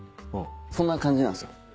そんな感じなんすよ。